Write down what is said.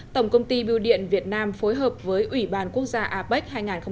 tổng công ty biêu điện việt nam phối hợp với ủy ban quốc gia apec hai nghìn hai mươi